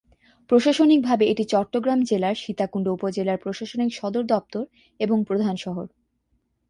প্রশাসনিকভাবে এটি চট্টগ্রাম জেলার সীতাকুণ্ড উপজেলার প্রশাসনিক সদরদপ্তর এবং প্রধান শহর।